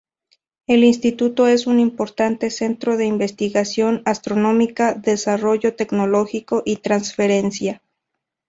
El instituto es un importante centro de investigación astronómica, desarrollo tecnológico y transferencia.